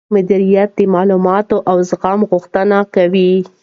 مديريت د معلوماتو او زغم غوښتنه کوي.